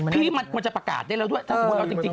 พี่มันจะประกาศได้แล้วด้วยถ้าบอกตรงจริง